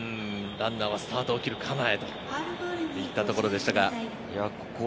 ランナーはスタートを切る構えといったところでしたが。